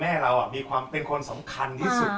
แม่เรามีความเป็นคนสำคัญที่สุด